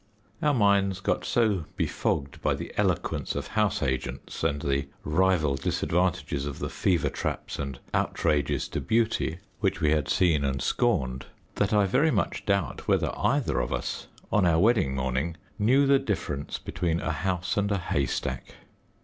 Our minds got so befogged by the eloquence of house agents and the rival disadvantages of the fever traps and outrages to beauty which we had seen and scorned, that I very much doubt whether either of us, on our wedding morning, knew the difference between a house and a haystack.